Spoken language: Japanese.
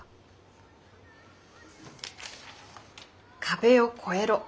「壁を越えろ！」。